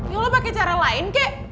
ya lo pake cara lain kek